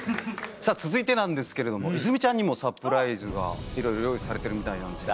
さぁ続いてなんですけれども泉ちゃんにもサプライズがいろいろ用意されてるみたいなんですけど。